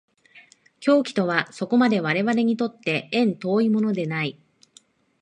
狂気とはそこまで我々にとって縁遠いものではない。